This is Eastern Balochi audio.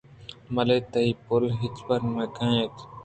بلئے تئی پُلّ ہچبر نہ گیمُرنت